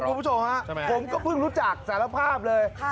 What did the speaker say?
คุณผู้ชมฮะผมก็เพิ่งรู้จักสารภาพเลย